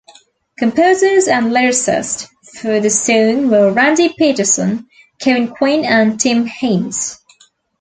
Composers and lyricist for the song were Randy Petersen, Kevin Quinn, and Tim Heintz.